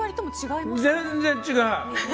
全然違う！